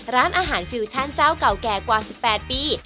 ร้านอาหารฟิวชั่นเจ้าเก่าแก่กว่า๑๘ปี